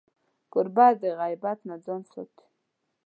کوربه د غیبت نه ځان ساتي.